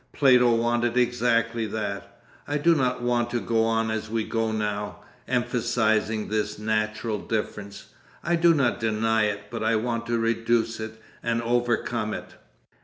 Plato wanted exactly that. I do not want to go on as we go now, emphasising this natural difference; I do not deny it, but I want to reduce it and overcome it.